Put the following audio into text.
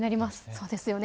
そうですよね。